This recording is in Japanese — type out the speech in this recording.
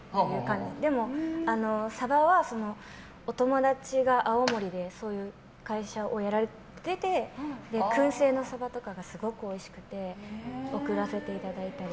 でもサバは、お友達が青森でそういう会社をやられてて燻製のサバとかがすごくおいしくて送らせていただいたり。